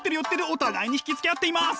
お互いに惹きつけ合っています！